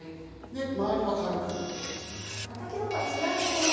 周りは軽く。